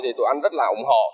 thì tụi anh rất là ủng hộ